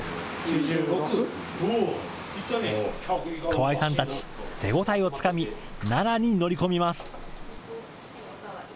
川井さんたち、手応えをつかみ奈良に乗り込みます。